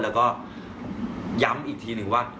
แล้วก็ย้ำอีกทีหนึ่งว่า